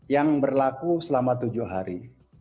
yang berlaku selama tujuh hari